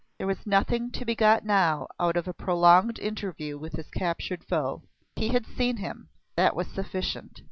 There was nothing to be got now out of a prolonged interview with his captured foe. He had seen him: that was sufficient.